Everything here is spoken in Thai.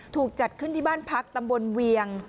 ถูกจัดขึ้นที่บ้านพักตำบลเวียง